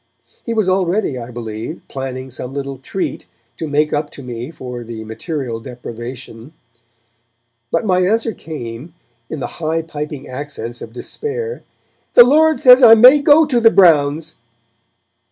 He was already, I believe, planning some little treat to make up to me for the material deprivation. But my answer came, in the high piping accents of despair: 'The Lord says I may go to the Browns.'